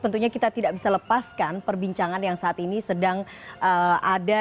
tentunya kita tidak bisa lepaskan perbincangan yang saat ini sedang ada